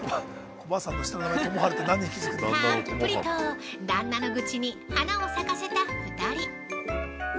◆たっぷりと旦那の愚痴に花を咲かせた２人！